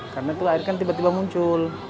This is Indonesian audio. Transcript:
karena itu air kan tiba tiba muncul